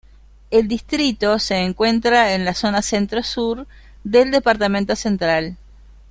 El distrito se encuentra en la zona centro-sur del departamento Central.